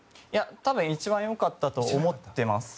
多分、一番良かったと思ってます。